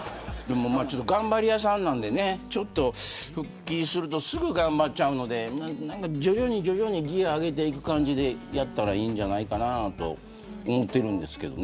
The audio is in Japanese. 頑張り屋さんなのでね復帰するとすぐ頑張っちゃうので徐々に徐々にギア上げていく感じでやったらいいんじゃないかなと思っているんですけどね。